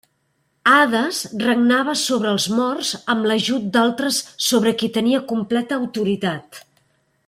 Hades regnava sobre els morts, amb l'ajut d'altres sobre qui tenia completa autoritat.